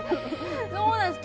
そうなんです